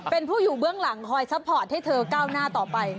เป็นผู้อยู่เบื้องหลังคอยซัพพอร์ตให้เธอก้าวหน้าต่อไป